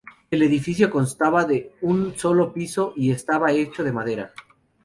El edificio constaba de un solo piso y estaba hecho de madera.